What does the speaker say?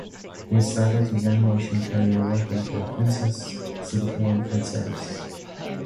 He started his animation career working for the Kansas City Film Ad Service.